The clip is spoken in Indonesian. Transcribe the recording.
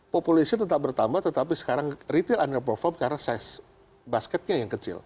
populasi tetap bertambah tetapi sekarang retail under perform karena size basketnya yang kecil